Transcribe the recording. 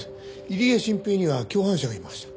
入江慎平には共犯者がいました。